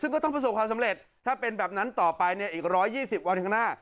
ซึ่งก็ต้องประสบความสำเร็จถ้าเป็นแบบนั้นต่อไปเนี่ยอีก๑๒๐วันข้างหน้า